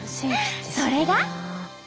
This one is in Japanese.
それが。